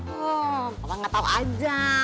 hmm papa gak tau aja